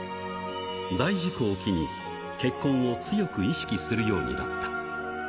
大事故を機に、結婚を強く意識するようになった。